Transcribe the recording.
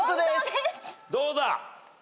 どうだ？